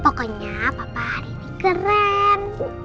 pokoknya papa ini keren